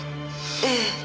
ええ。